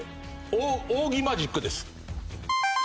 仰木マジックです。